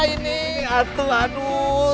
ini aduh aduh